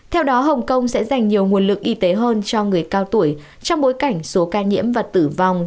theo đó hồng kông sẽ dành nhiều nguồn lực y tế hơn cho người cao tuổi trong bối cảnh số ca nhiễm và tử vong